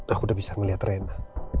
aku udah bisa ngeliat rena